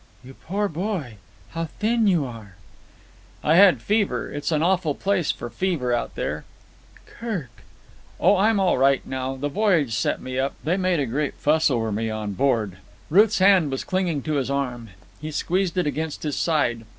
"You poor boy, how thin you are!" "I had fever. It's an awful place for fever out there." "Kirk!" "Oh, I'm all right now. The voyage set me up. They made a great fuss over me on board." Ruth's hand was clinging to his arm. He squeezed it against his side.